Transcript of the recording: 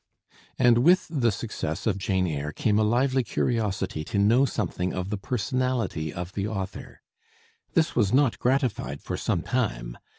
And with the success of 'Jane Eyre' came a lively curiosity to know something of the personality of the author. This was not gratified for some time.